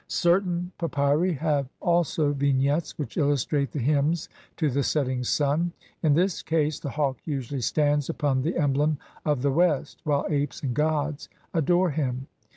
Certain papyri have also vignettes which illustrate the hymns to the setting sun. 2 In this case the hawk usually stands upon the emblem of the West while apes and gods adore him.